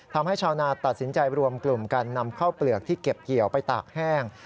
ทำให้ชาวนาตัดสินใจรวมกลุ่มการนำข้าวเปลือกที่เก็บเกี่ยวไปตากแห้ง